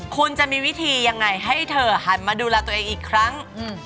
คุณจะมีวิธียังไงให้เธอหันมาดูแลตัวเองอีกครั้ง